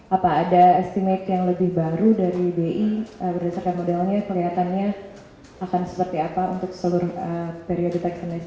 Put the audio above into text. apa ada estimate yang lebih baru dari bi berdasarkan modelnya kelihatannya akan seperti apa untuk seluruh periode tax amness